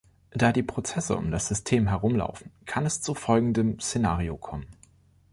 Da die Prozesse um das System herum laufen, kann es zu folgendem Szenario kommen.